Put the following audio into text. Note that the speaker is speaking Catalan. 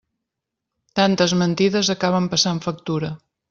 Tantes mentides acaben passant factura.